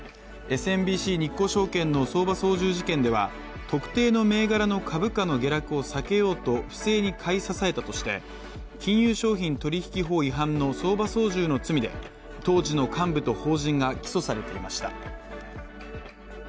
ＳＭＢＣ日興証券の相場操縦事件では特定の銘柄の株価の下落を避けようと不正に買い支えたとして金融商品取引法の相場操縦の罪で、当時の幹部と法人が起訴されていました。